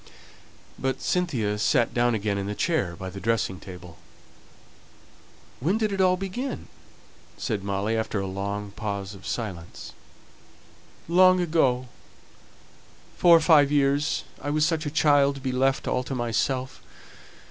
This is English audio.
But Cynthia sat down again in the chair by the dressing table. "When did it all begin?" said Molly, after a long pause of silence. "Long ago four or five years. I was such a child to be left all to myself.